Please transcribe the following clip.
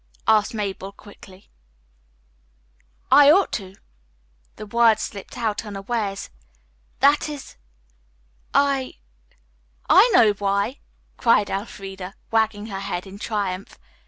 asked Mabel quickly. "I ought to." The words slipped out unawares. "That is I " "I know why!" cried Elfreda, wagging her head in triumph.